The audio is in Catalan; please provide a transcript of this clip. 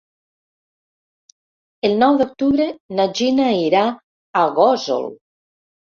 El nou d'octubre na Gina irà a Gósol.